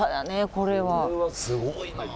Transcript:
これはすごいな。